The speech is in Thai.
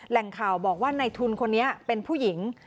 แหล่งข่าวบอกว่าในทุนคนนี้เป็นผู้หญิง